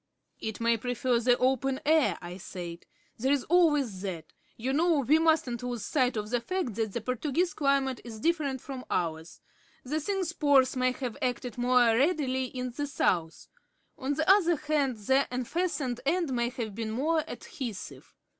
"It may prefer the open air," I said. "There's always that. You know we mustn't lose sight of the fact that the Portuguese climate is different from ours. The thing's pores may have acted more readily in the South. On the other hand, the unfastened end may have been more adhesive.